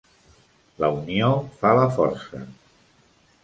La unió fa la força